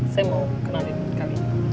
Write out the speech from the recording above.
saya mau kenalin kalian